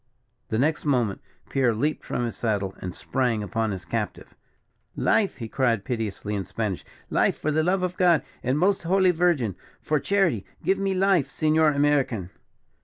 The next moment Pierre leaped from his saddle and sprang upon his captive. "Life!" he cried, piteously, in Spanish, "life, for the love of God, and the most holy Virgin! For charity, give me my life, Senor American!"